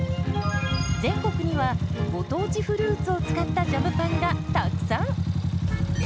全国にはご当地フルーツを使ったジャムパンがたくさん！